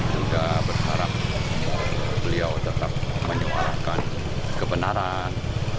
juga berharap beliau tetap menyuarakan kebenaran